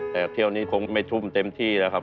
แต่เข้านี่คงไม่ทุ่มเต็มที่และครับ